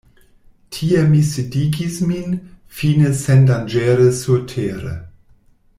Tie mi sidigis min, fine sendanĝere surtere.